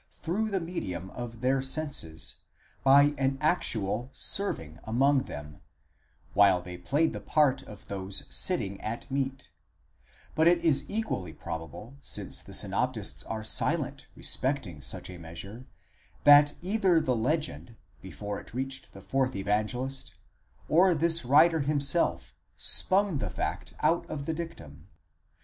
through the medium of their senses, by an actual serving διακονεῖν among them, while they played the part of those sitting at meat (ἀνακείμενοι) ; but it is equally probable, since the synoptists are silent respecting such a measure, that either the legend, before it reached the fourth Evangelist, or this writer himself, spun the fact out of the dictum.!